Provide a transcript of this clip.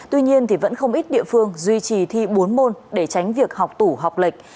tuy nhiên vẫn không ít địa phương duy trì thi bốn môn để tránh việc học tủ học lệch